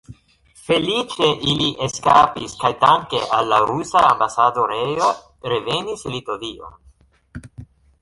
Feliĉe ili eskapis kaj danke al la rusa ambasadorejo revenis Litovion.